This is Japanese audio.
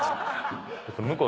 向こう